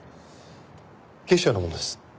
警視庁の者です。